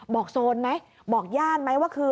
บอกโซนไหมบอกย่านไหมว่าคือ